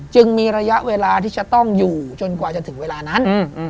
จึงมีระยะเวลาที่จะต้องอยู่จนกว่าจะถึงเวลานั้น